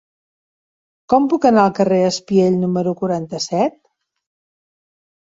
Com puc anar al carrer d'Espiell número quaranta-set?